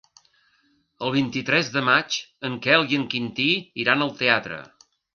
El vint-i-tres de maig en Quel i en Quintí iran al teatre.